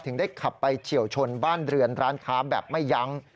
ได้ขับไปเฉียวชนบ้านเรือนร้านค้าแบบไม่ยั้ง